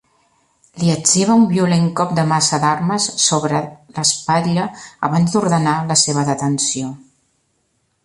Li etziba un violent cop de massa d'armes sobre l'espatlla abans d'ordenar la seva detenció.